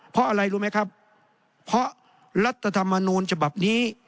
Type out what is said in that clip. เพราะอะไรรู้ไหมครับเพราะรัฐธรรมนูญฉบับนี้